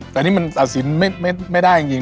แต่นี่มันตัดสินไม่ได้จริง